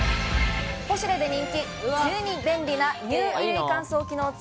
ポシュレで人気、便利な「Ｎｅｗ衣類乾燥機能付